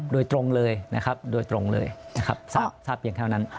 โดยตรงเลยนะครับทราบอย่างเท่านั้น